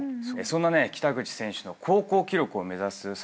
そんなね北口選手の高校記録を目指す紗優加さん。